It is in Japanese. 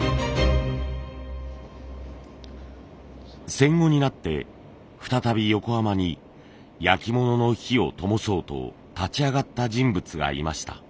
戦後になって再び横浜に焼き物の灯をともそうと立ち上がった人物がいました。